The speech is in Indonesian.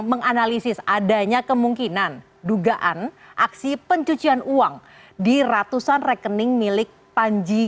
menganalisis adanya kemungkinan dugaan aksi pencucian uang di ratusan rekening milik panji